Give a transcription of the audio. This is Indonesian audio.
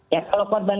ya kalau korban